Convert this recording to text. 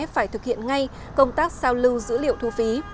phải thực hiện ngay công tác sao lưu dữ liệu thu phí